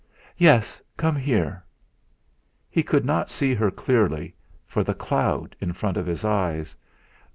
"Yes, come here"; he could not see her clearly, for the cloud in front of his eyes.